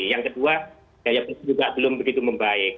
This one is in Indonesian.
yang kedua daya beli juga belum begitu membaik